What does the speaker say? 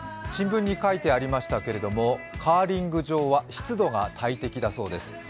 新聞に書いてありましたけれども、カーリング場は湿度が大敵だそうです。